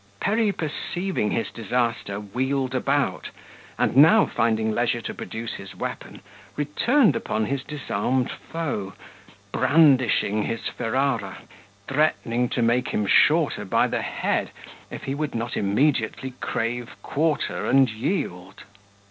Perry perceiving his disaster, wheeled about, and now finding leisure to produce his weapon, returned upon his disarmed foe, brandishing his Ferrara, threatening to make him shorter by the head if he would not immediately crave quarter and yield.